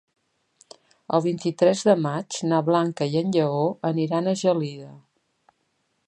El vint-i-tres de maig na Blanca i en Lleó aniran a Gelida.